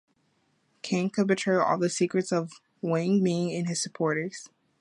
Kang could betray all the secrets of Wang Ming and his supporters.